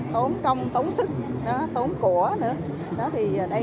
tốn công tốn sức tốn của nữa